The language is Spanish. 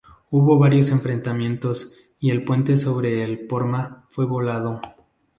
Hubo varios enfrentamientos y el puente sobre el Porma fue volado.